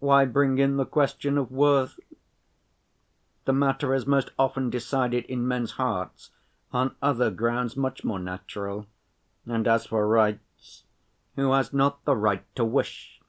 "Why bring in the question of worth? The matter is most often decided in men's hearts on other grounds much more natural. And as for rights—who has not the right to wish?"